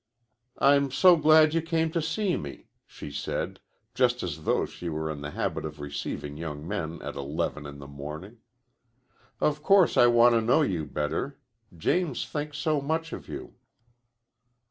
"I'm so glad you came to see me," she said, just as though she were in the habit of receiving young men at eleven in the morning. "Of course I want to know you better. James thinks so much of you."